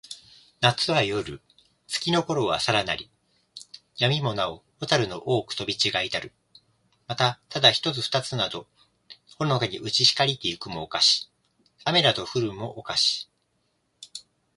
夏なつは、夜よる。月つきのころはさらなり。闇やみもなほ、蛍ほたるの多おほく飛とびちがひたる。また、ただ一ひとつ二ふたつなど、ほのかにうち光ひかりて行いくも、をかし。雨あめなど降ふるも、をかし。